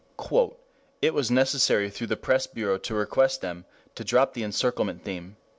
"It was necessary through the press bureau to request them to drop the encirclement theme."